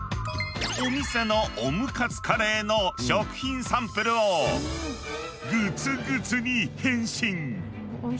お店のオムカツカレーの食品サンプルをグツグツに変身！